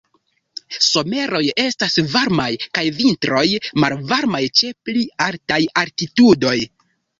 Someroj estas varmaj kaj vintroj malvarmaj ĉe pli altaj altitudoj.